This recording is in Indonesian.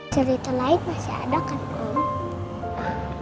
cerita lain masih ada kan ma